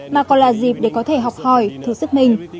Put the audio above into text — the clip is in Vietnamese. mà còn là dịp để có thể học hỏi thử sức mình